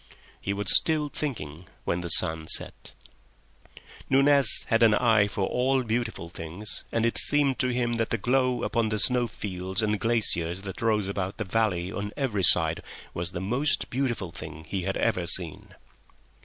He was still thinking when the sun set. Nunez had an eye for all beautiful things, and it seemed to him that the glow upon the snow fields and glaciers that rose about the valley on every side was the most beautiful thing he had ever seen.